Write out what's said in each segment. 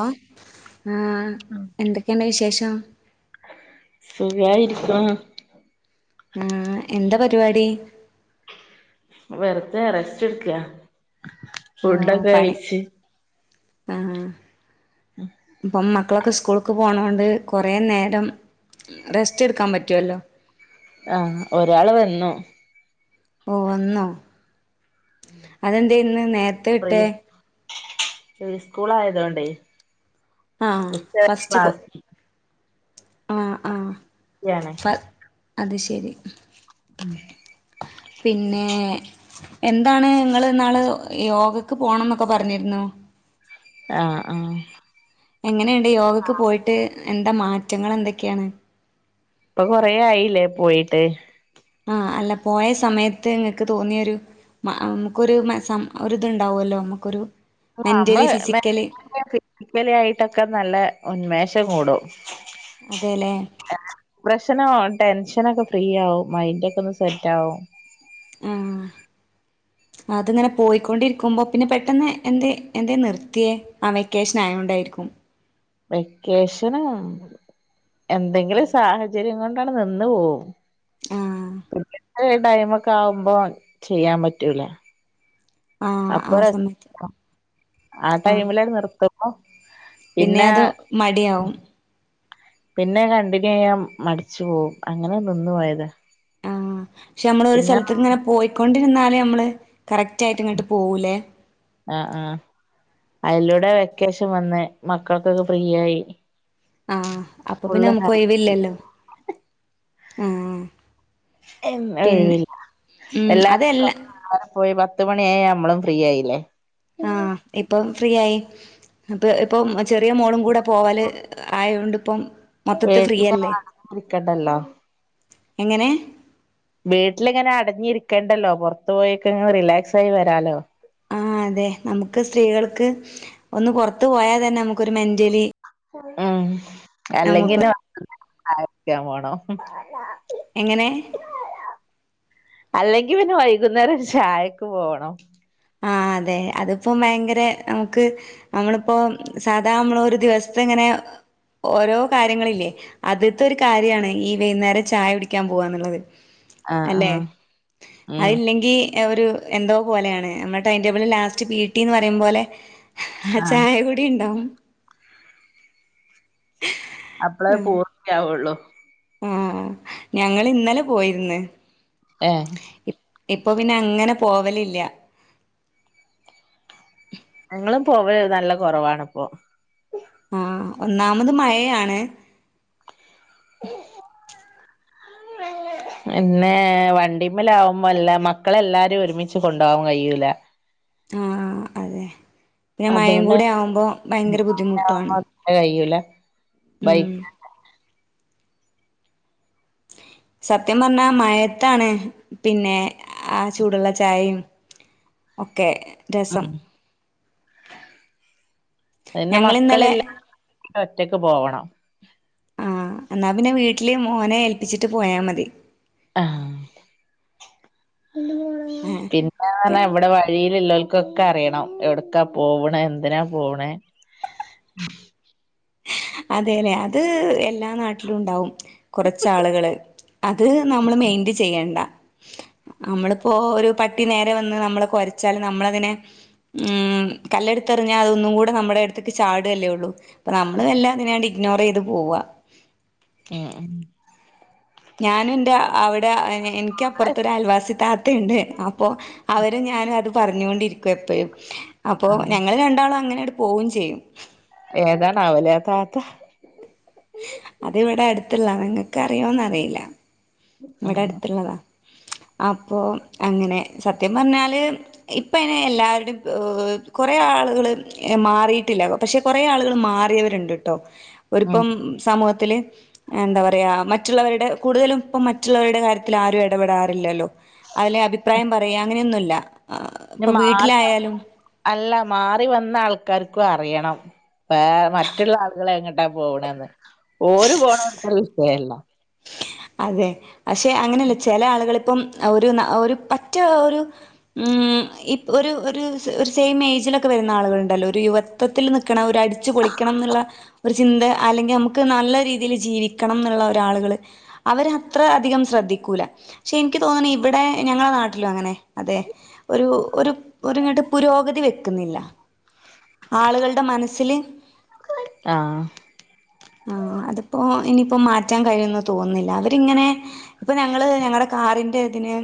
ആഹ് എന്തൊക്കെയുണ്ട് വിശേഷം സുഖായിരിക്കണു മ് എന്താ പരുപാടി വെറുത റെസ്റ്റ് എടുക്കാ ഫുഡൊക്കെ കഴിച്ച് ആഹ് [unintelligible] മക്കളൊക്കെ സ്കൂൾക്ക് പോണോണ്ട് കുറെ നേരം റെസ്റ്റ് എടുക്കാൻ പറ്റുവല്ലോ ആഹ് ഒരാള് വന്നു ഓ വന്നോ അതെന്തേ ഇന്ന് നേരത്തെ വിട്ടേ? [unintelligible] സ്കൂള് ആയതുകൊണ്ടേ ഉച്ചവരെ ക്ലാസ് ആഹ് ആഹ് യാണേ അത് ശരി പിന്നെ എന്താണ് നിങ്ങള് ഇന്നാള് യോഗക്ക് പോണംന്നൊക്കെ പറഞ്ഞിരുന്നു ആ ആ എങ്ങനെ യോഗക്ക് പോയിട്ട് എന്താ മാറ്റങ്ങൾ എന്തൊക്കെയാണ് ഇപ്പൊ കൊറ ആയില്ലേ പോയിട്ട് ആ അല്ല പോയ സമയത്ത് നിങ്ങക്ക് തോന്നിയ ഒരു, നമുക്കൊരു ഒരിതുണ്ടാവുമല്ലോ നമുക്കൊരു ആ മെന്റലി നമ്മള് ഫിസിക്കലി മെന്റലി ഫിസിക്കലി ആയിട്ടൊക്കെ നല്ല ഉന്മേഷ അതെല്ലേ [unintelligible] പ്രശ്ന ടെൻഷ [unintelligible] ഫ്രീ ആവും മൈൻഡ് ഒക്കെ ഒന്ന് സെറ്റ് ആവും ആ അത്ങ്ങനെ പോയിക്കൊണ്ടിരിക്കുമ്പോ പിന്നെ പെട്ടന്ന് എ എന്ത നിർത്തിയേ ആ വെക്കേഷൻ ആയോണ്ടായിരിക്കും വെക്കേഷനും എന്തെങ്കിലും സാഹചര്യം കൊണ്ടാണ് നിന്ന് പോവും ആഹ് അ അ ടൈമ് ഒക്കെ ആവുമ്പോ ചെയ്യാൻ പറ്റൂല ആഹ് ആ അപ്പൊ സമയത്ത് ആ ആഹ് ടൈമില് നിർത്തും [unintelligible] പിന്നെ അത് മടിയാവും പിന്നെ കണ്ടിന്യൂ ചെയ്യാൻ മടിച്ചു പോവും അങ്ങനെ നിന്നു പോയത് ആഹ പക്ഷെ നമ്മൾ ഒരു സ്ഥലത്തിങ്ങനെ പോയിക്കൊണ്ട് ന്നാല്നമ്മള് കറക്ട്ടിയിട്ട്ഇങ്ങോട്ട് പോകൂലേ ഇവിടെ വെക്കശൻ വന്ന് മക്കൾക്കൊക്കെ ഫ്രീ ആയി ആഹ അപ്പൊ പിന്നെ ഫുള്ള് നമുക്ക് ഒഴിവില്ലല്ലോ ഉം എങ്ങുംഒഴിവില്ല ഉം എല്ലാരും അതെല്ല അവിടെപോയി പത്ത് മണിയ നമ്മളും ഫ്രീ ആയില്ലേ ആഹ ഇപ്പൊ ഫ്രീ ആയി അപ്പ ഇപ്പം ചെറിയ മോളും കൂടെ പോവാല് ആയൊണ്ട്പ്പം വീട്ടിൽ ആ ഇരിക്കണ്ടല്ലോ എങ്ങനെ വീട്ടിലിങ്ങനെ അടഞ്ഞിരിക്കേണ്ടല്ലോ പുറത്തു പോയി‌ക്കിങ്ങനെ റിലാക്സായി വരാലോ ആ അതെ നമുക്ക് സ്ത്രീകൾക്ക് ഒന്ന് പൊറത്ത് പോയാ തന്നെ നമുക്കൊരു മെന്റലി ഉം അല്ലെങ്കി നമുക്ക് [unintelligible] [unintelligible] പോണം എങ്ങനേ? അല്ലെങ്കി പിന്നെ വൈകുന്നേരം ചായക്ക് പോകണം ആ അതെ അതിപ്പോ ഭയങ്കര നമുക്ക് നമ്മളിപ്പോ സാധാ നമ്മളൊരു ദിവസത്തെ ഇങ്ങനെ ഓരോ കാര്യങ്ങളില്ലേ അതിത്തെ ഒരു കാര്യാണ് ഈ വൈന്നേരം ചായ കുടിക്കാൻ പോവാന്നിള്ളത്. ആ അല്ലെ ആ ഉം അതില്ലെങ്കീ എ ഒരു എന്തോ പോലെയാണ്. നമ്മുടെ ടൈൻ ടേബിളിൽ ലാസ്റ്റ് പി ടി ന്ന് പറയും പോലെ ആ ആഹ് ചായ കുടി ഇണ്ടാവും. അപ്പളേ പൂർത്തിയാവുള്ളൂ. ആ ഞങ്ങളിന്നലെ പോയിര്ന്ന്. ഏഹ് ഇ ഇപ്പൊ പിന്നെ അങ്ങനെ പോവലില്ല ഞങ്ങളും പോവല് നല്ല കുറവാണിപ്പൊ ആ ഒന്നാമത് മഴയാണ്. പിന്നെ വണ്ടിമ്മല് ആകുമ്പോ എല്ലാ മക്കളെല്ലാരും ഒരുമിച്ച് കൊണ്ടുപോവാൻ കഴിയൂല ആ അതെ പിന്നെ അതുകൊണ്ട് മഴകൂടെ ആവുമ്പോ ഭയങ്കര വണ്ടിമ്മലാവുമ്പോ ബുദ്ധിമുട്ടാണ്. അങ്ങനെ കഴിയൂല ഉം ബൈക്ക് സത്യം പറഞ്ഞാ മഴയത്താണ് പിന്നെ ആ ചൂടുള്ള ചായയും ഒക്കെ രസം പിന്നെ ഞങ്ങളിന്നലെ മക്കളില്ലാതെ ഒറ്റക്ക് പോവണം ആ എന്നാ പിന്നെ വീട്ടില് മോനെ ഏൽപ്പിച്ചിട്ട് പോയാ മതി. ആ ആഹ് പിന്നെ അതെ അങ്ങനെ വിടെ വഴിയിലിള്ളോൽ ക്കൊക്കെ അറിയണം എവിടക്കാ പോവ്ണേ എന്തിനാ പോവ്ണേ അതേ ലേ അത് എല്ലാ നാട്ടിലും ഉണ്ടാവും കുറച്ചാളുകള് അത് നമ്മൾ മെയിന്റ് ചെയ്യണ്ട നമ്മളിപ്പോ ഒരു പട്ടി നേരെ വന്ന് നമ്മളെ കൊരച്ചാല് നമ്മളതിനെ ഉം കല്ലെടുത്ത്റിഞ്ഞാൽ അതൊന്നും കൂടെ നമ്മുടെ അടുത്ത്ക്ക് ചാടുല്ലേള്ളൂ. അപ്പൊ നമ്മള് എല്ലാം അതിനു വേണ്ടി ഇഗ്നോർ ചെയ്ത് പോവ്വാ. അഹ് ഞാനും എന്റെ അവിടെ എനിക്കപ്പുറത്തൊരു അയൽവാസി ത ത്ത ഉണ്ട് അപ്പോ അവരും ഞാനും അത് പറഞ്ഞേട്ടിരിക്കും എപ്പഴും അപ്പൊ ആഹ് ഞങ്ങള് രണ്ടാളും അങ്ങനെ അടു പോവും ചെയ്യും ഏതാണ് അവൊല്ലേ ആ താത്ത അത് ഇവിടെ അടുത്തുള്ള നിങ്ങക്ക് അറിയോന്ന് അറിയില്ല ഇവിടെ ഉം അടുത്തുള്ളതാ അപ്പോ അങ്ങനെ സത്യം പറഞ്ഞാല് ഇപ്പ അയ്ന് എല്ലാവരുടേം ഏഹ് കൊറെ ആളുകള് മാറിട്ടില്ല പക്ഷെ കുറെ ആളുകള് മാറിയവരുണ്ട് ട്ടോ ഉം ഓരിപ്പം സമൂഹത്തില് എന്താ പറയാ മറ്റുള്ളവരുടെ കൂടുതലും ഇപ്പം മ റ്റുള്ളവരുടെ കാര്യത്തിൽ ആരും എടപെടാറില്ലല്ലോ അയിലെ അഭിപ്രായം പറയാ അങ്ങനെയൊന്നുല്ല ഇപ്പൊ മാറി വീട്ടിലായാലും [unintelligible] അല്ല മാറി വന്ന ആൾ [unintelligible] അറിയണം വേ മറ്റുള്ള ആളുകളെ എങ്ങ എ പോണത് ഓര് പോണ [unintelligible] വിഷയല്ല അതെ പക്ഷെ അങ്ങനെല്ല ചെല ആളുകള്പ്പം ഒരു ഒരു പറ്റ ഒരു ഉം ഒരു ഒരു ഒരു സെയിം ഏയ്ജിലൊക്കെ വരുന്ന ആള്കൾ ണ്ടല്ലോ ഒരു യുവത്വത്തിൽ നിക്കണ ഒ രു അടിച്ചു പൊളിക്കണം ന്ന്ള്ള ഒരു ചിന്ത അല്ലെങ്കിൽ നമുക്ക് നല്ല രീതിൽ ജീവിക്കണം ന്ന്ള്ള ഒരാളുകള് അവരത്ര അധികം ശ്രദ്ധിക്കൂല ക്ഷേ ഇൻക്ക് തോന്നണ ഇവിടെ ഞങ്ങളെ നാട്ടിലും അങ്ങനെ അതെ ഒരു ഒരു ഒര്ങ്ങട്ട് പുരോഗതി വെക്കുന്നില്ല ആളുകൾടെ മനസ്സില് ആഹ് ആ അത്പ്പോ ഇനിയിപ്പം മാറ്റാൻ കഴിയുന്ന് തോന്നി ല്ല അവരിങ്ങനെ ഇപ്പം ഞങ്ങള് ഞങ്ങടെ കാറിന്റെ ഇതിന്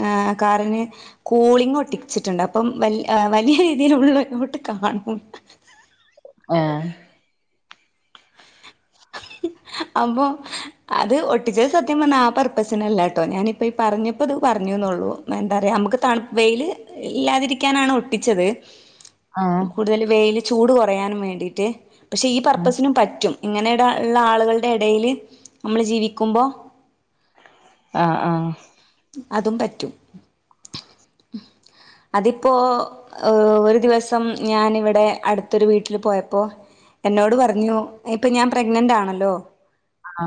ആ കാറിന് കൂളിങ് ഒട്ടിച്ചിട്ടുണ്ട് അപ്പം വൽ വലിയ രീതിലുള്ളലോട്ട് കാണു ആ അപ്പൊ അത് ഒട്ടിച്ചത് സത്യം പറന്ന ആ പർപ്പസിനല്ലാട്ടോ ഞാനിപ്പം ഈ പറഞ്ഞപ്പോ ഇത് പറഞ്ഞുന്നുള്ളൂ അതന്താറിയോ അമ്മക്ക് തണുപ്പ് വെയില് ഇല്ലാതിരിക്കാനാണ് ഒട്ടിച്ചത് ആഹ് കൂടുതൽ വെല് ചൂട് കുറയാനും വേണ്ടീട്ട് പക്ഷേ ഈ പർപ്പസിനും പറ്റും ഇങ്ങനെ ത ള്ള ആളുകൾടെ എടെല് നമ്മള് ജീവിക്കുമ്പോ ആ ആ അതും പറ്റും അതിപ്പോ ഒരു ദിവസം ഞൻ ഇവിടെ അടുത്തൊരു വീട്ടിൽ പോയപ്പോ എന്നോട് പറഞ്ഞു ഇപ്പൊ ഞാൻ പ്രഗ്നന്റ് ആണല്ലോ ആ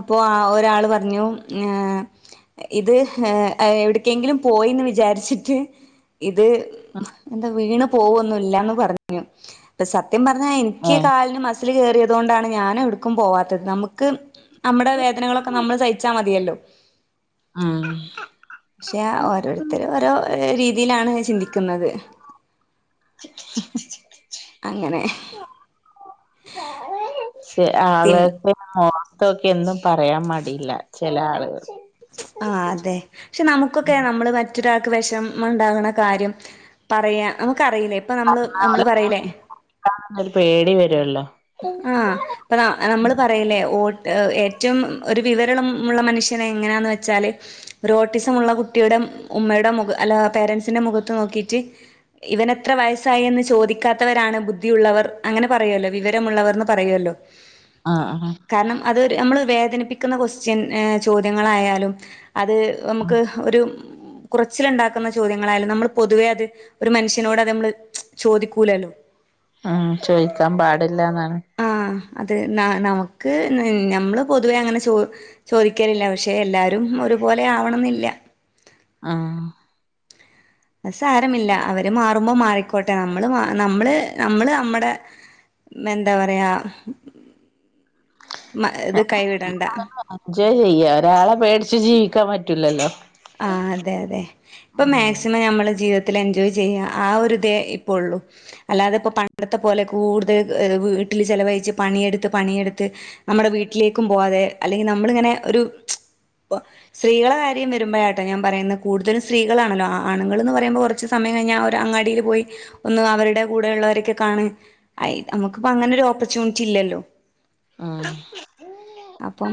അപ്പൊ ആ ഒരാൾ പറഞ്ഞു ആ ഇത് ഏ എവിടക്കെങ്കിലും പോയിന്ന് വിചാരിച്ചിട്ട് ഇത് എന്താ വീണ് പോവൊന്നുല്ലാന്ന് പറഞ്ഞു അപ്പ സ ത്യം പറഞ്ഞാ എനിക്ക് ഏഹ് കാലിന് മ സില് കേയറിയത് കൊണ്ടാണ് ഞാൻ എവിടുക്കും പോവാത്തത് നമുക്ക് നമ്മുടെ വേദനകളൊക്കെ നമ്മൾ സഹിച്ചാൽ മതിയല്ലോ ഉം പക്ഷെയാ ഓരോരുത്തരും ഓരോ രീതി ഇതിലാണ് ചിന്തിക്കുന്നത് അങ്ങനെ [unintelligible] ശ പിൻ ആളോക്ക [unintelligible] തൊക്കെ എന്നും പറയാൻ മടിയില്ലാച്ച് ചെല ആളുകൾ ആ അതെ ക്ഷെ നമുക്കൊക്കെ നമ്മള് മ റ്റൊരാക്ക് വെഷമംണ്ടാകണ കാര്യം പറയാ ഊ ക്ക അറിയില ഇപ്പ നമ്മള് നമ്മള് പറയിലേ ഒരു പേടി വരുവെല്ലോ ആഹ് ഇപ്പ ന്ന നമ്മള് പറയലേ ഓ ഏഹ് ഏറ്റവും ഒര് വിവരണമുള്ള മനുഷ്യനെങ്ങനാന്ന് വെച്ചാല് ഒരോട്ടിസമുള്ള കുട്ടിയുടെ ഉമ്മേടെ മുഖ അല്ല പേരൻസിന്റെ മുഖത്ത് നോക്കീറ്റ് ഇവനെത്ര വയസ്സായ് എന്ന് ചോദിക്കാത്തവരാണ് ബുദ്ധിയുള്ളവർ അങ്ങനെ പറയുവല്ലോ വിവര മുള്ളവർന്ന് പറയുവല്ലോ. ആഹ് ആഹ് കാരണം അത് നമ്മള് വേ നിപ്പിക്കുന്ന ക്വൊസ്റ്റ്യൻ ചോദ്യങ്ങളായാലും അത് നമ്മുക്ക് ഒരു കുറച്ചിലൊണ്ടാക്കുന്ന ചോദ്യങ്ങളായാലും നമ്മള് പൊതുവേ അത് ഒരു മനുഷ്യനോട് അത് നമ്മള് ചോദിക്കൂലല്ലോ. ഉം ചോയ്ക്കാൻ പാ ടില്ലന്നാണ് ആഹ് അത് ന നമുക്ക് ഞമ്മള് പൊതുവേ അങ്ങനെ ചോ ചോദിക്കലില്ല. പക്ഷെ എല്ലാരും ഒരുപോലെ ആവണെന്നില്ല. ആഹ് അത് സാരമില്ല. അവര് മാറുമ്പോ മാറിക്കോട്ടെ. നമ്മള് മാ നമ്മള് നമ്മള് നമ്മടെ എന്താ പറയാ [unintelligible] ഇത് കൈവിടണ്ട എൻജോയ് ചെയ്യ. ഒരാളെ പേടി ച്ച് ജീവിക്കാൻ പറ്റൂലല്ലോ ആ അതെ അതെ ഇപ്പൊ മാക്സിമം ഞമ്മെള് ജീവ ത്തിൽ എൻജോയ് ചെയ്ക. ആ ഒരുയിതേയിപ്പയൊള്ളൂ. അല്ലാതെയിപ്പ പണ്ടത്തെപ്പോലെ കൂടുതൽ വീട്ടിൽ ചെലവഴിച്ച് പണിയെടുത്ത് പണിയെടുത്ത് നമ്മെടെ വീട്ടിലേക്കും പോവാതെ അല്ലെങ്കിൽ നമ്മളിങ്ങനെ ഒര് പ്പ സ്ത്രീകളെക്കാര്യം വെ രുമ്പാഴാട്ടേ ഞാൻ പറയുന്നേ കൂടുതലും സ്ത്രീകളാണല്ലോ ആണുങ്ങൾന്ന് പറയുമ്പോ കൊറച്ച് സമയം കഴിഞ്ഞാ അവര് അങ്ങാടിൽ പോയി ഒന്ന് അവരെടെക്കൂടെയൊള്ളവരൊക്കെ കാണ്. ആ ഇ നമുക്കിപ്പോ അങ്ങനൊരു ഓപ്പർച്യൂണിറ്റി ഇല്ലല്ലോ. ഉം അപ്പം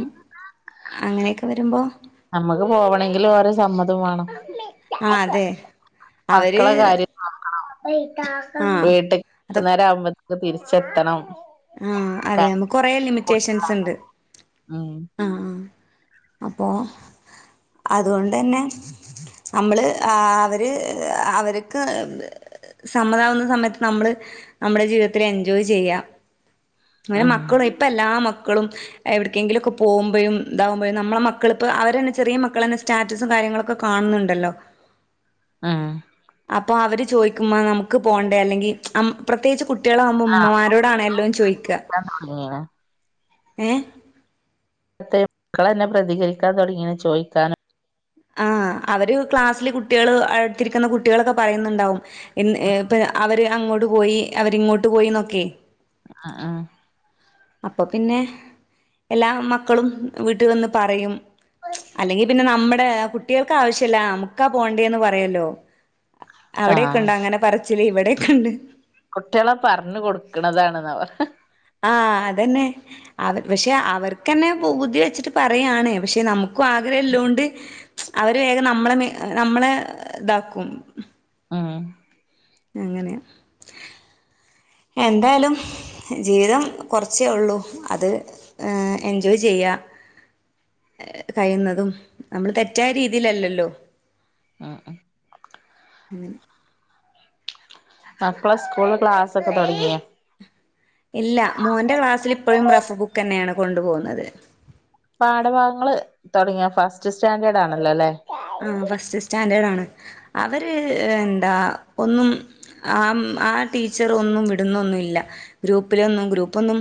അങ്ങനെക്കെ വെരുമ്പോ നമ്മെക്ക് പോവെണങ്കില് ഓരെ സമ്മതം വേണം ആഹ് അതെ അവര് മക്കളെ കാര്യം [unintelligible] ആഹ് വീട്ട് ക്ക് അത് വൈകുന്നേരാമ്പ ക്കെത്തിരിച്ചെത്തണം ആഹ് അതെ നമുക്ക് കൊറെ ലിമിറ്റേഷൻസ്ണ്ട് ഉം ആഹ് ആ അപ്പോ അതുകൊണ്ടന്നെ നമ്മള് ആ അവര് അവർക്ക് സമ്മതമാവുന്ന സമയത്ത് നമ്മള് നമ്മുടെ ജീവിതത്തില് എൻജോയ് ചെയ്യ. അങ്ങനെ ഉം മക്കളും ഇപ്പ എല്ലാ മ ക്കളും എവെടെക്കെങ്കിലൊക്കെ പോകുമ്പഴും ഇത നമ്മള മക്കളിപ്പ അവരന്നെ ചെറിയ മക്കളെന്നെ സ്റ്റാറ്റസും കാര്യങ്ങളൊക്കെ കാണുന്നുണ്ടല്ലോ. ആഹ് അപ്പൊ അവര് ചോദിക്കുമ്മ നമുക്ക് പോണ്ടേ അല്ലെങ്കി അം പ്രത്യേകിച്ച് കു ആഹ് കുട്ടികളാമ്പുയുമ്മമാരോടാണ് എല്ലാം ചോയ്ക്ക ഏ മക്കളെന്നെ പ്രതികരിക്കാൻ തൊടങ്ങീണ് ചോയ്ക്കാനും ആ അവര് ക്ലാസ്സില് കുട്ടികള് അടുത്തിരിക്കുന്ന കുട്ടികളൊക്കെ പറയുന്നുണ്ടാവും ഇന്ന് ഏ ഇപ്പ അവര് അങ്ങോട്ട് പോയി അവരിങ്ങോട്ട് പോയിന്നൊക്കെയേ ആഹ് ആഹ് അപ്പൊ പിന്നെ എല്ലാ മക്കളും വീട്ടിൽ വന്ന് പറയും അല്ലെങ്കിൽ പിന്നെ നമ്മു ആ കുട്ടികൾക്ക് ആവശ്യല്ല നമുക്കാ പോണ്ടേന്ന് പറയൂല്ലോ അവിടെയൊക്കെ ആഹ് ഉണ്ടോ അങ്ങനെ പറ ഇവിടെയൊക്കെ ഉണ്ട് കുട്ടികളെ പറഞ്ഞു കൊടുക്കണതാണെന്നാ പറയുന്നേ ആ അതന്നെ അവർ പക്ഷെ അവർക്കന്നെ പൂതി വെച്ചിട്ട് പറയാണ് പക്ഷെ നമു ക്കും ആഗ്രഹല്ലോണ്ട് അവര് വേഗം നമ്മളെ നമ്മളെ ഇതാക്കും ഉം അങ്ങനെയ എന്തായാലും ജീവിതം കുറച്ചേ ഉള്ളൂ അത് എൻജോയ് ചെയ്യാ കഴിയുന്നതും നമ്മള് തെറ്റായ രീതിയിലല്ലല്ലോ ഉം ഉം ഉം അപ്പോ സ്കൂള് ക്ലാസ്സൊക്കെ തുടങ്ങിയോ ഇല്ല മോന്റെ ക്ലാ സ്സില് ഇപ്പോഴും റഫ് ബുക്ക് തന്നെയാണ് കൊണ്ട് പോകുന്നത് പാഠഭാഗങ്ങള് തുടങ്ങിയോ ഫസ്റ്റ് സ്റ്റാൻഡേർഡ് ആണല്ലോ അല്ലേ ആ ഫസ്റ്റ് സ്റ്റാൻഡേർഡ് ആണ് അവര് എന്താ ഒന്നും ആ ആ ടീച്ചർ ഒന്നും വിടുന്നൊന്നുംല്ല ഗ്രൂപ്പിലൊന്നും ഗ്രൂപ്പൊന്നും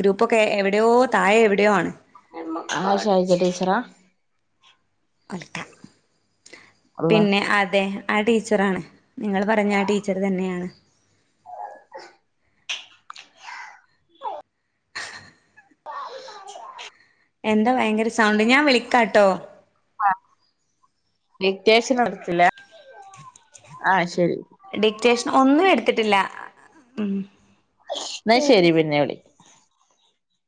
ഗ്രൂപ്പൊക്കെ എവിടെയോ താഴേ എവിടെയോ ആണ് ആശൈജ ടീചറാ ഉളട്ട [unintelligible] അള്ളാ പിന്നെ അതെ ആ ടീച്ചറാണ് നിങ്ങൾ പറഞ്ഞ ആ ടീച്ചർ തന്നെയാണ് [inaudible] ആ എന്താ ഭയങ്കര സൗണ്ട് ഞാൻ വിളിക്കാട്ടോ ഡിറ്റേഷൻ നടത്തില്ല ആഹ് ശരി ഡിക്റ്റേഷൻ ഒന്നും എടു ത്തിട്ടില്ല ഉം എന്നാ ശരി പിന്നെ വിളി